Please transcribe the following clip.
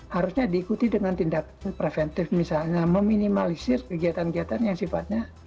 harusnya diikuti dengan tindakan preventif misalnya meminimalisir kegiatan kegiatan yang sifatnya